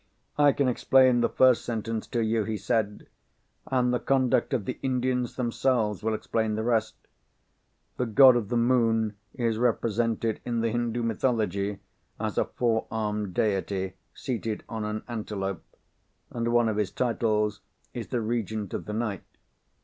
"I can explain the first sentence to you," he said; "and the conduct of the Indians themselves will explain the rest. The god of the moon is represented, in the Hindoo mythology, as a four armed deity, seated on an antelope; and one of his titles is the regent of the night.